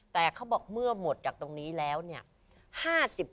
แต่เขาบอกเมื่อหมดจากตรงนี้แล้วเนี่ย